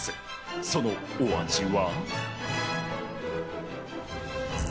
そのお味は。